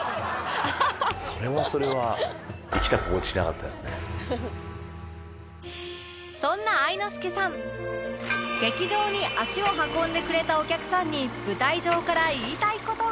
それはそれは劇場に足を運んでくれたお客さんに舞台上から言いたい事が